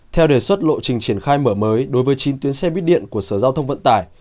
theo đề xuất lộ trình triển khai mở mới đối với chín tuyến xe buýt điện của sở giao thông vận tải